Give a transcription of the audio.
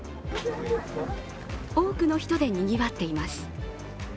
多くの人でにぎわっています。